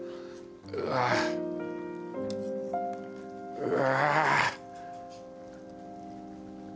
うわ！